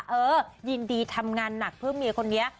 เออยินดีทำงานหนักเพื่อเมียคนนี้